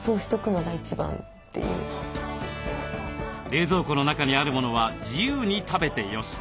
冷蔵庫の中にあるものは自由に食べてよし。